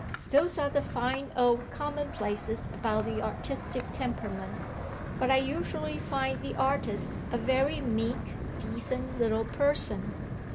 "Those are the fine old commonplaces about the artistic temperament, but I usually find the artist a very meek, decent, little person."